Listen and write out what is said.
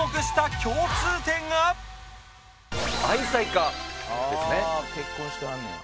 中でも「ああ！結婚してはんねや」